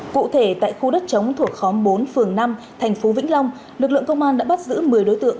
cụ thể tại khu đất chống thuộc khóm bốn phường năm thành phố vĩnh long lực lượng công an đã bắt giữ một mươi đối tượng